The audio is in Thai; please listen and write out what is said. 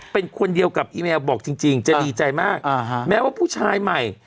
เป็นคนเดียวกับอีแมวบอกจริงจะดีใจมากแม้ว่าผู้ชายใหม่